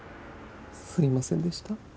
すいませんでした。